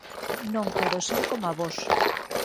Non quero ser coma vós.